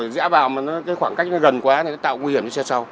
dã vào mà khoảng cách gần quá thì nó tạo nguy hiểm cho xe sau